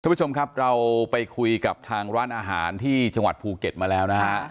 ผู้ชมครับเราไปคุยกับทางร้านอาหารที่จังหวัดภูเก็ตมาแล้วนะฮะ